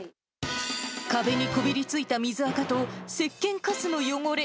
壁にこびりついた水あかとせっけんかすの汚れ。